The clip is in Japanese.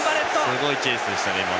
すごいチェイスでしたね。